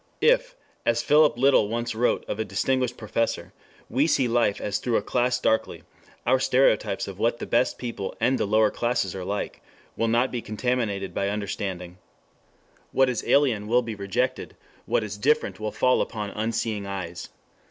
If, as Philip Littell once wrote of a distinguished professor, we see life as through a class darkly, our stereotypes of what the best people and the lower classes are like will not be contaminated by understanding. What is alien will be rejected, what is different will fall upon unseeing eyes.